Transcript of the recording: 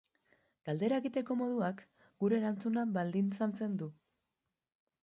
Galdera egiteko moduak gure erantzuna baldintzatzen du.